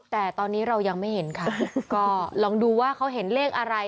แต่ตอนนี้เรายังไม่เห็นค่ะก็ลองดูว่าเขาเห็นเลขอะไร